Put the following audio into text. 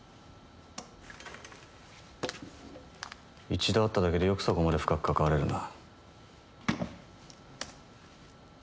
一度会っただけでよくそこまで深く関われるな。